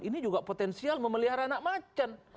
ini juga potensial memelihara anak macan